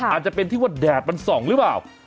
อาจจะเป็นที่ว่าแดดมันส่องหรือเปล่า